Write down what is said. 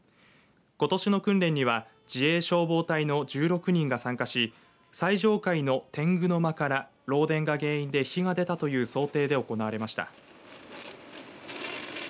ことしの訓練には自衛消防隊の１６人が参加し最上階の天狗の間から漏電が原因で火が出たという想定で行われました。